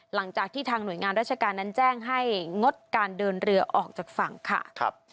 หลังจากที่ทางหน่วยงานราชการนั้นแจ้งให้งดการเดินเรือออกจากฝั่งค่ะ